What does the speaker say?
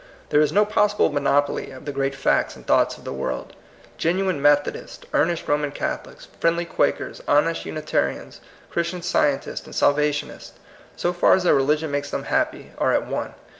There is no possible monopoly of the great facts and thoughts of the world. Genuine Metho dists, earnest Roman Catholics, friendly Quakers, honest Unitarians, Christian Sci entists, and Salvationists, so far as their re ligion makes them happy, are at one.